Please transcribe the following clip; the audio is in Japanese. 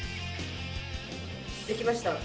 できました。